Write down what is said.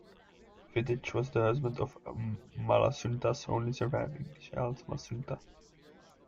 Vitiges was the husband of Amalasuntha's only surviving child, Matasuntha.